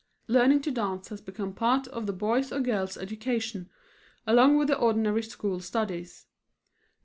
Learning to dance has become a part of the boy's or girl's education, along with the ordinary school studies.